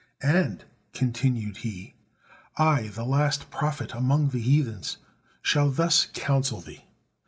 "And," continued he, "I, the last prophet among the heathens, shall thus counsel thee.